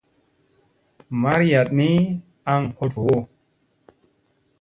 Mariyaɗ ni aŋ hoɗ voo.